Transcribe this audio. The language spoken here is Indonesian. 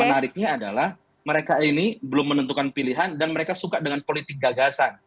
menariknya adalah mereka ini belum menentukan pilihan dan mereka suka dengan politik gagasan